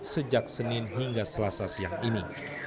sejak senin hingga selasa siang ini